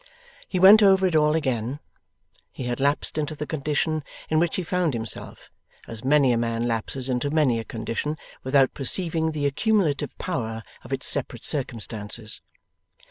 He went over it all again. He had lapsed into the condition in which he found himself, as many a man lapses into many a condition, without perceiving the accumulative power of its separate circumstances.